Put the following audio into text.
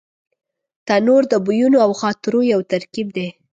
تنور د بویونو او خاطرو یو ترکیب دی